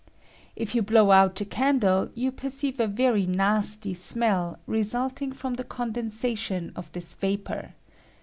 If you blow out a candle, you per very nasty smeH, resulting from the condensation of this vapor.